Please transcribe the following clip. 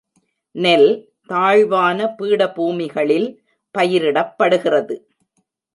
நெல் தாழ்வான பீட பூமிகளில் பயிரிடப்படுகிறது.